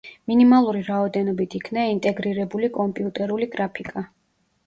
მინიმალური რაოდენობით იქნა ინტეგრირებული კომპიუტერული გრაფიკა.